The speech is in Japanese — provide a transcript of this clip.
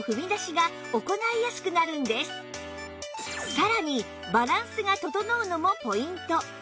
さらにバランスが整うのもポイント